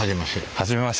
初めまして。